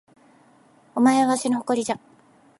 お前はわしの誇りじゃ